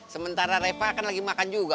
sementara reva kan lagi makan juga